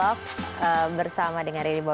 apakah males teman pun harus bisa disdi